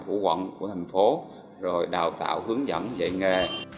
chúng tôi sẽ làm hữu quận của thành phố rồi đào tạo hướng dẫn dạy nghề